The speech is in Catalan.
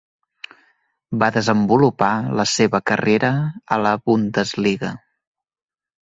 Va desenvolupar la seva carrera a la Bundesliga.